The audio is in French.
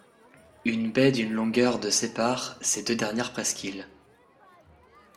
Une baie d’une longueur de sépare ces deux dernières presqu’îles.